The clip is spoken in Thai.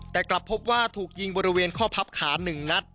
แต่กลับพบว่าถูกยิงบริเวณข้อพับขา๑นัด